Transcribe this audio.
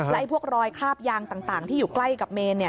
และพวกรอยคราบยางต่างที่อยู่ใกล้กับเมน